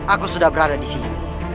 aku sudah berada disini